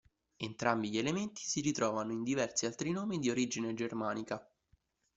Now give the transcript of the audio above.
Entrambi gli elementi si ritrovano in diversi altri nomi di origine germanica.